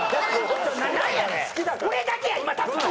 俺だけや今立つの。